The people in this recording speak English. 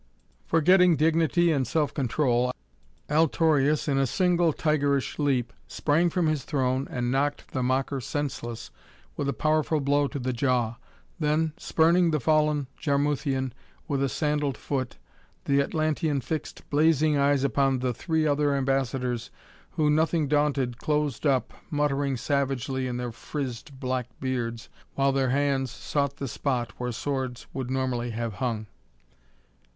Forgetting dignity and self control, Altorius, in a single tigerish leap sprang from his throne and knocked the mocker senseless with a powerful blow to the jaw. Then, spurning the fallen Jarmuthian with a sandaled foot, the Atlantean fixed blazing eyes upon the three other ambassadors who, nothing daunted, closed up, muttering savagely in their frizzed black beards, while their hands sought the spot where swords would normally have hung.